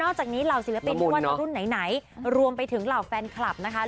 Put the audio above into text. จากนี้เหล่าศิลปินไม่ว่าในรุ่นไหนรวมไปถึงเหล่าแฟนคลับนะคะ